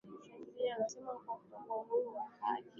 shangirai anasema utakuwa huru na wa haki